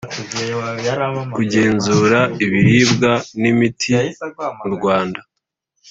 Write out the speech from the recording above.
kugenzura ibiribwa n imiti mu Rwanda